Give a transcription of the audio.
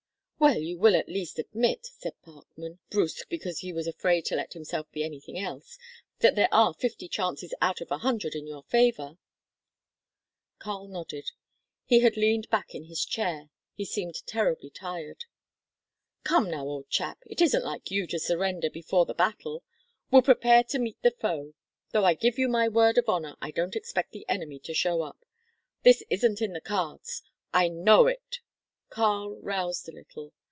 "Well you will at least admit," said Parkman brusque because he was afraid to let himself be anything else "that there are fifty chances out of a hundred in your favour?" Karl nodded; he had leaned back in his chair; he seemed terribly tired. "Come now, old chap it isn't like you to surrender before the battle. We'll prepare to meet the foe though I give you my word of honour I don't expect the enemy to show up. This isn't in the cards. I know it." Karl roused a little.